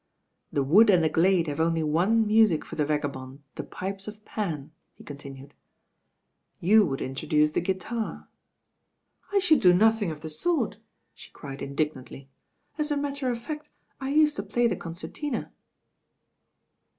"The wood and the glade have only one music for the vagabond, the pipes of Pan,*' he continued. "You would introduce the guitar." "I should do nothing of the sort," she cried in dignantly. "As a matter of fact I used to play the concertina."